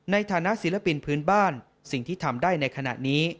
ในฐานะศิลปินพื้นบ้านสิ่งที่ทำได้ในขณะนี้